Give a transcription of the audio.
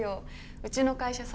うちの会社さ